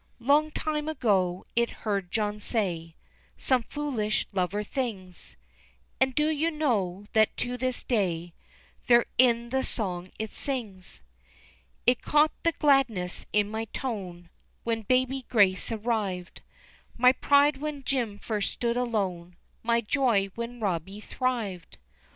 _ Long time ago it heard John say Some foolish lover things, And do you know that to this day They're in the song it sings. It caught the gladness in my tone When baby Grace arrived, My pride when Jim first stood alone, My joy when Robbie thrived.